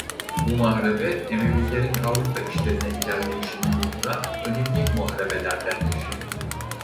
Bu muharebe Emevilerin Avrupa içlerine ilerleyişini durduran önemli muharebelerdendir.